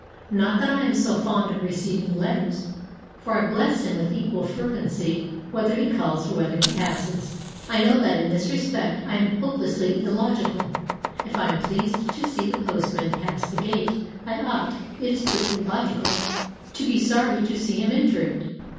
Not that I am so fond of receiving letters, for I bless him with equal fervency whether he calls or whether he passes. I know that in this respect I am hopelessly illogical. If I am pleased to see the postmen pass the gate, I ought, if strictly logical, to be sorry to see him enter it.